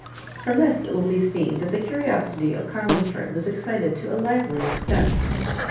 From this it will be seen that the curiosity of Carlingford was excited to a lively extent.